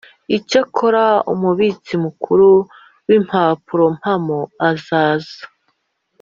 Icyakora Umubitsi Mukuru w Impapurompamo azaza